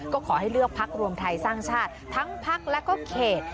ก็ขอให้เลือกพักรวมไทยสร้างชาติทั้งพักและก็เขต